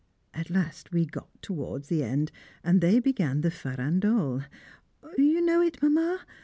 At last we got on towards the end, and they began the farandole. You know it, Mamma?